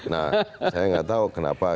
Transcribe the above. nah saya nggak tahu kenapa